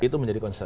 itu menjadi concern